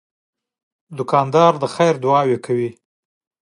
دوکاندار د خیر دعاوې کوي.